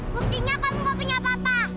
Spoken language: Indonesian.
guftinya kamu gak punya papa